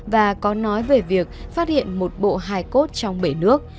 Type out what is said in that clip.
và có nói về việc phát hiện một bộ hài cốt trong bể nước